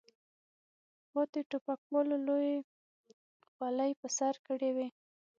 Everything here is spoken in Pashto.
پاتې ټوپکوالو لویې خولۍ په سر کړې وې.